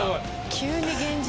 急に現実！